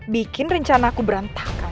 bikin rencana aku berantakan